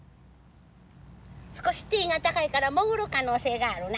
少しティーが高いから潜る可能性があるな。